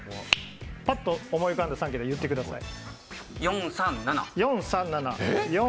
パッと思い浮かんだ３桁を言ってください。